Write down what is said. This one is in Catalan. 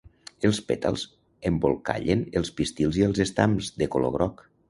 Els pètals embolcallen els pistils i els estams, de color groc.